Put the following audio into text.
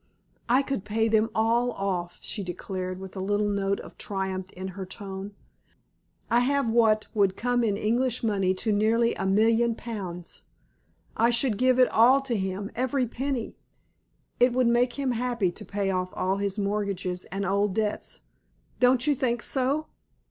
I could pay them all off," she declared, with a little note of triumph in her tone. "I have what would come in English money to nearly a million pounds. I should give it all to him, every penny. It would make him happy to pay off all his mortgages and old debts. Don't you think so?"